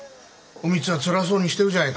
お美津はつらそうにしてるじゃねえか。